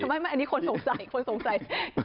ไม่อันนี้คนสงสัย